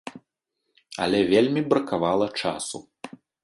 Але вельмі бракавала часу!